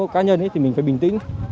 cá nhân thì mình phải bình tĩnh